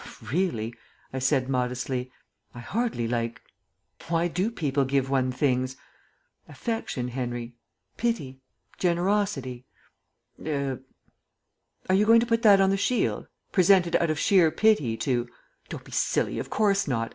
"Really," I said modestly, "I hardly like Why do people give one things? Affection, Henry; pity, generosity er " "Are you going to put that on the shield? 'Presented out of sheer pity to '" "Don't be silly; of course not.